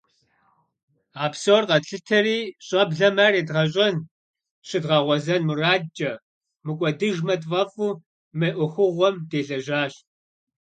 А псор къэтлъытэри, щӏэблэм ар едгъэщӏэн, щыдгъэгъуэзэн мурадкӏэ, мыкӏуэдыжмэ тфӏэфӏу, мы ӏуэхугъуэм делэжьащ.